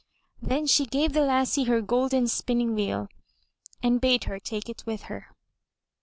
Then she gave the lassie her golden spinning wheel, and bade her take it with her.